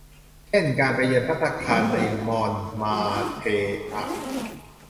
เช่น การไปเยือนภัตตาคารในมอนมาร์เทอะ